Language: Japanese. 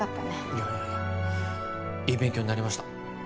いやいやいやいい勉強になりました